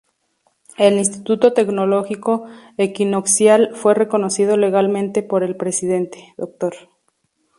El Instituto Tecnológico Equinoccial fue reconocido legalmente por el Presidente, Dr.